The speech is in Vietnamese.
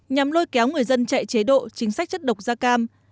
nhằm lôi kéo người dân chạy chế độ chính sách chất độc da cam